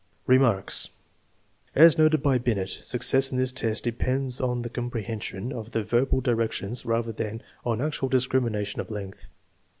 Remarks. As noted by Binet, success in this test depends on the comprehension of the verbal directions rather than on actual discrimination of length.